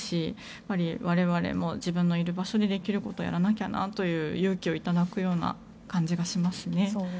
やはり、我々も自分のいる場所でできることをやらなきゃなという勇気をいただくような感じがしますね。